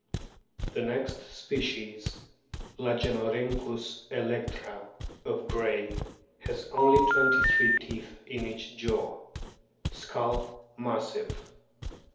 The next species, Lagenorhynchus electra of Gray,f has only twenty three teeth in each jaw. Skull massive.